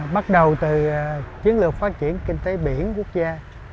bắt đầu từ chiến lược phát triển kinh tế biển quốc gia